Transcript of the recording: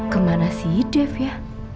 kemana sih dev ya